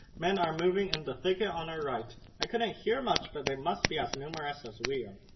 "Men are moving in the thicket on our right. I couldn't hear much, but they must be as numerous as we are.